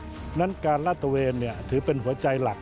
ดังนั้นการราดตะเวนถือเป็นหัวใจหลัก